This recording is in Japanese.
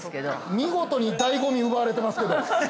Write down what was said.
◆見事に醍醐味、奪われてますけど。